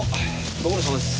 ご苦労さまです。